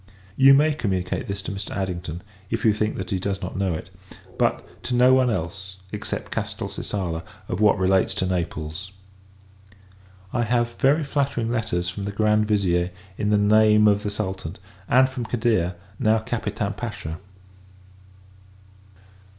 You may communicate this to Mr. Addington, if you think that he does not know it; but, to no one else, except Castelcicala, of what relates to Naples. I have very flattering letters from the Grand Vizier, in the name of the Sultan; and from Cadir, now Capitan Pacha.